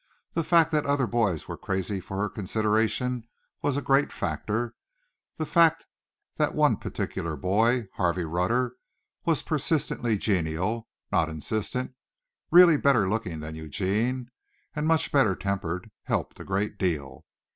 The fact that other boys were crazy for her consideration was a great factor; the fact that one particular boy, Harvey Rutter, was persistently genial, not insistent, really better looking than Eugene and much better tempered, helped a great deal.